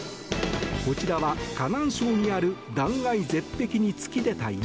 こちらは河南省にある断崖絶壁に突き出た岩。